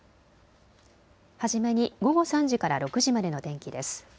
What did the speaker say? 初めに午後３時から６時までの天気です。